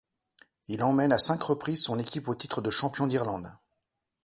Il emmène à cinq reprises son équipe au titre de champion d'Irlande.